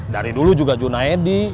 dari dulu juga junaedi